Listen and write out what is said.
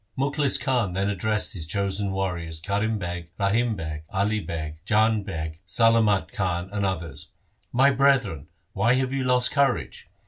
Mukhlis Khan then addressed his chosen warriors Karim Beg, Rahim Beg, Ali Beg, Jang Beg, Salamat Khan, and others :' My brethren, why have you lost courage